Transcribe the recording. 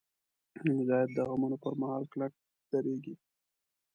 مجاهد د غمونو پر مهال کلک درېږي.